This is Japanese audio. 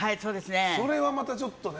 それはまた、ちょっとね。